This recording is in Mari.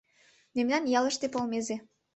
Мемнан ялыште полмезе